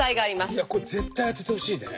これ絶対当ててほしいね。